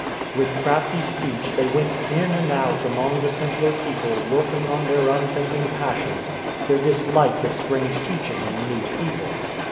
With crafty speech they went in and out among the simpler people working on their unthinking passions, their dislike of strange teaching and new people.